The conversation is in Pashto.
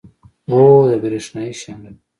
هو، د بریښنایی شیانو لپاره